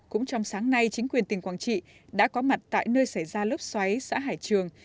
cũng trong sáng nay chính quyền tỉnh quảng trị đã có mặt tại nơi xảy ra lốc xoáy xã hải trường